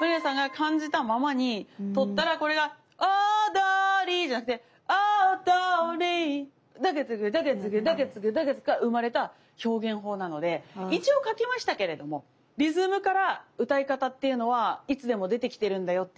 まりやさんが感じたままにとったらこれがおどりじゃなくておぉどぉりぃダガツクダガツクダガツクダガツクから生まれた表現法なので一応書きましたけれどもリズムから歌い方っていうのはいつでも出てきてるんだよっていうのを。